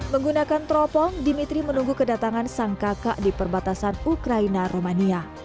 menggunakan teropong dimitri menunggu kedatangan sang kakak di perbatasan ukraina romania